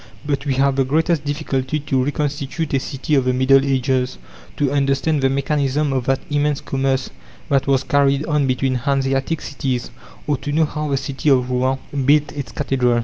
But we have the greatest difficulty to reconstitute a city of the Middle Ages, to understand the mechanism of that immense commerce that was carried on between Hanseatic cities, or to know how the city of Rouen built its cathedral.